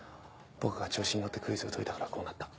僕が調子に乗ってクイズを解いたからこうなった。